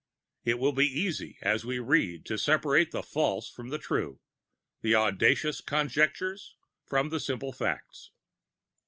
It will be easy, as we read, to separate the false from the true, the audacious conjectures from the simple facts.